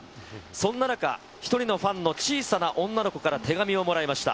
そんな中、一人のファンの小さな女の子から手紙をもらいました。